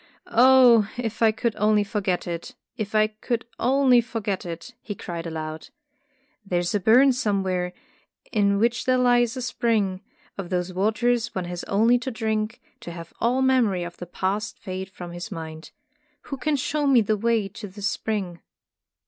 '' Oh, if I could only forget it, if I could only forget it!" he cried aloud. ''There is a burn somewhere, in which there lies a spring, of whose waters one has only to drink, to have all memory of the past fade from his mind. Who can show me the way to this spring?"